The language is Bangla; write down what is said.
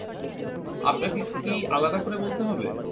আপনাকে কী আলাদা করে বলতে হবে?